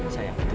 sayang ini dia